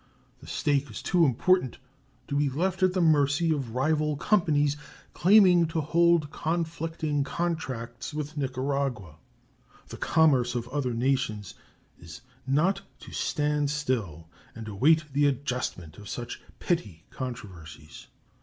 The stake is too important to be left at the mercy of rival companies claiming to hold conflicting contracts with Nicaragua. The commerce of other nations is not to stand still and await the adjustment of such petty controversies.